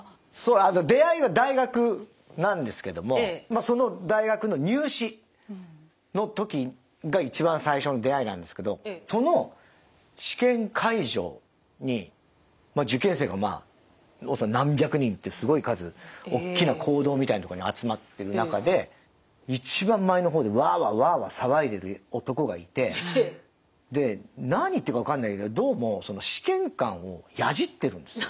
出会いは大学なんですけどもその大学の入試のときが一番最初の出会いなんですけどその試験会場に受験生が何百人ってすごい数おっきな講堂みたいなとこに集まってる中で一番前の方でワーワーワーワー騒いでる男がいてで何言ってるかわかんないけどどうも試験官をヤジってるんですよ。